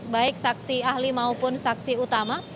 baik saksi ahli maupun saksi utama